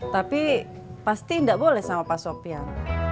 tapi pasti enggak boleh sama pak sopyan